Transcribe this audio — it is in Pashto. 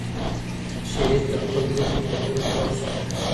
شریف د خپل زوی په خبرو ډېر خوښ شو.